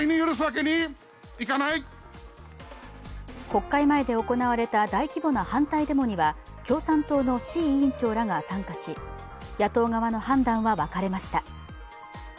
国会前で行われた大規模な反対デモには共産党の志位委員長らが参加し野党側の判断は分かれました。